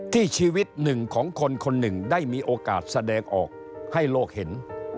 ชีวิตหนึ่งของคนคนหนึ่งได้มีโอกาสแสดงออกให้โลกเห็น